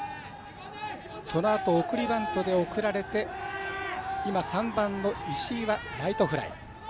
そのあと、送りバントで送られて今、３番の石井はライトフライ。